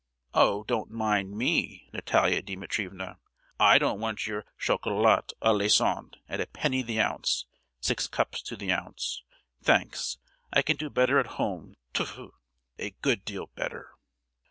Oh, don't mind me, Natalia Dimitrievna, I don't want your chocolat à la santé at a penny the ounce, six cups to the ounce! thanks, I can do better at home; t'fu, a good deal better."